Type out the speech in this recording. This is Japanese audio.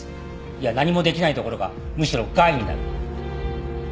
いや何もできないどころかむしろ害になる。